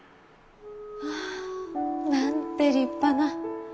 まあなんて立派な。